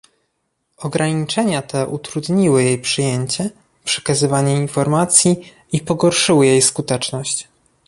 Ograniczenia te utrudniły jej przyjęcie, przekazywanie informacji i pogorszyły jej skuteczność